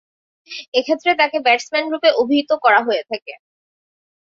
এক্ষেত্রে তাকে ব্যাটসম্যানরূপে অভিহিত করা হয়ে থাকে।